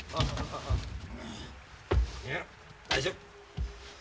大丈夫。